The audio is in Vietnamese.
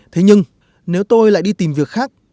thế nhưng nếu tôi lại đi tìm việc khác